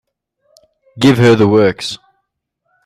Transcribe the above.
Give her the works.